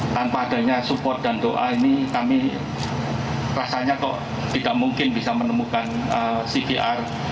tanpa adanya support dan doa ini kami rasanya kok tidak mungkin bisa menemukan cvr